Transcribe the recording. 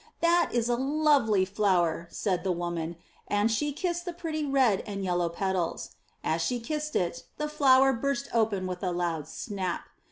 *That is a lovely flower," said the woman, and she kissed the pretty red and yellow petals. As she kissed it the flower burst open with a loud snap.